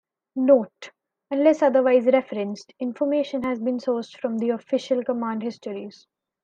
Note: unless otherwise referenced, information has been sourced from the official command histories.